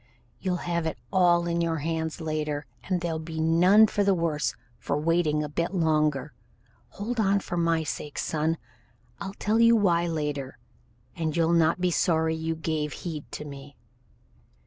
You'll have it all in your hands later, and they'll be none the worse for waiting a bit longer. Hold on for my sake, son. I'll tell you why later, and you'll not be sorry you gave heed to me."